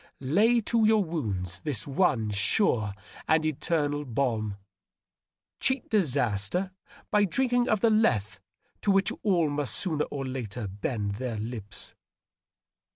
Lay to your wounds the one sure and eternal balm. Cheat disaster by drink ing of the Lethe to which all must sooner or later bend their lips.'